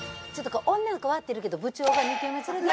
女の子ワッているけど部長が２軒目連れて。